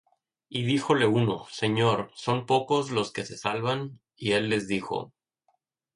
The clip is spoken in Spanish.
Y díjole uno: Señor, ¿son pocos los que se salvan? Y él les dijo: